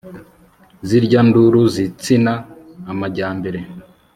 zirya nduru zitsina amajyambera